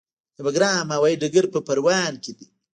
د بګرام هوايي ډګر په پروان کې دی